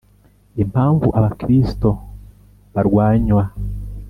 Impamvu Abakristo barwanywa